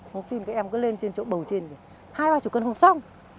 một tìm các em cứ lên trên chỗ bầu trên hai ba chục cân không xong